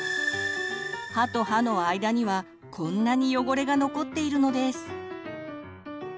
歯と歯の間にはこんなに汚れが残っているのです。